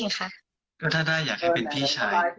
ก็ถ้าได้อยากจะเป็นพี่ชาย